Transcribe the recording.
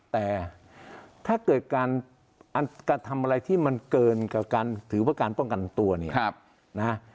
แต่ถ้าเกิดการกระทำอะไรที่มันเกินกับการถือว่าการป้องกันตัวเนี่ยนะฮะ